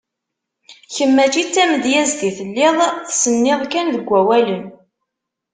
Kemm mačči d tamedyazt i telliḍ, tsenniḍ kan deg wawalen.